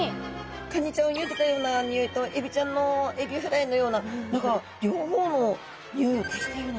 カニちゃんをゆでたような匂いとエビちゃんのエビフライのような何か両方の匂いを足したような。